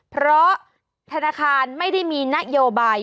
เพราะธนาคารไม่ได้มีนโยบาย